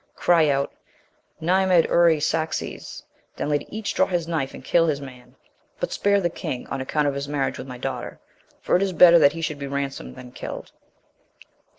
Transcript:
cry out, 'Nimed eure Saxes,' then let each draw his knife, and kill his man; but spare the king, on account of his marriage with my daughter, for it is better that he should be ransomed than killed."